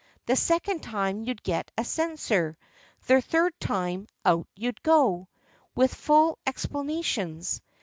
The second time, you'd get a censure. The third time, out you'd go, with full explana tions.